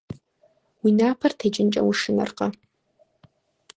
Уи напэр текӀынкӀэ ушынэркъэ?